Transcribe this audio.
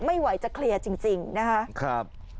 ไม่ไหวจะเคลียร์จริงนะครับ